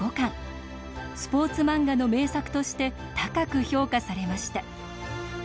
スポーツ漫画の名作として高く評価されました。